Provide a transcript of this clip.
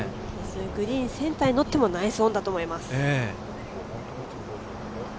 グリーンセンターにのってもナイスオンだと思います。